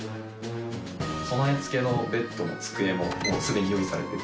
備え付けのベッドも机もすでに用意されてて。